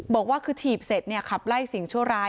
บอกว่าคือถีบเสร็จขับไล่สิ่งชั่วร้าย